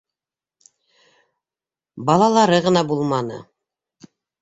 Балалары ғына булманы.